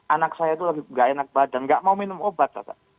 anak saya tuh lagi gak enak badan gak mau minum obat